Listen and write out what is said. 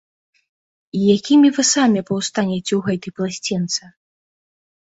І якімі вы самі паўстанеце ў гэтай пласцінцы?